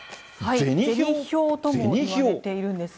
銭票ともいわれているんですが。